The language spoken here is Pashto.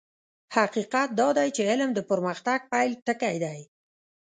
حقيقت دا دی چې علم د پرمختګ پيل ټکی دی.